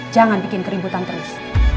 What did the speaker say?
jangan bikin keributan terus